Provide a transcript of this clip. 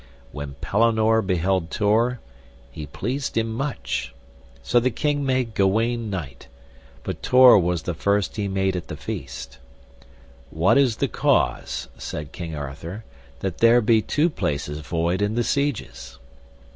When Pellinore beheld Tor, he pleased him much. So the king made Gawaine knight, but Tor was the first he made at the feast. What is the cause, said King Arthur, that there be two places void in the sieges?